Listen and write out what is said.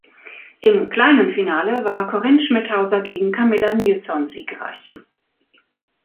Im «kleinen Finale» war Corinne Schmidhauser gegen Camilla Nilsson siegreich.